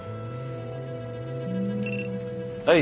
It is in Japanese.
はい。